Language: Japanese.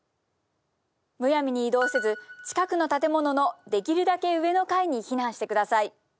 むやみに移動せず、近くの建物のできるだけ上の階に避難してください。